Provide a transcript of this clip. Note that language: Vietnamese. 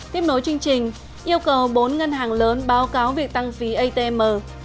tiếp nối chương trình yêu cầu bốn ngân hàng lớn báo cáo việc tăng phí atm